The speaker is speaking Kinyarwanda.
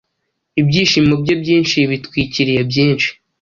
Ibyishimo bye byinshi bitwikiriye byinshi